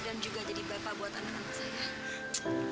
dan juga jadi bapak buat anak anak saya